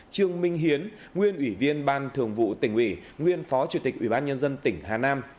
trương minh hiến nguyên ủy viên ban thường vụ tỉnh ủy nguyên phó chủ tịch ủy ban nhân dân tỉnh hà nam